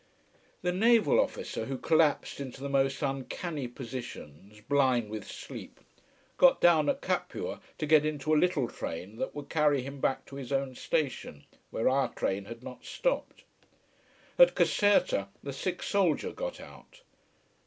The naval officer, who collapsed into the most uncanny positions, blind with sleep, got down at Capua to get into a little train that would carry him back to his own station, where our train had not stopped. At Caserta the sick soldier got out.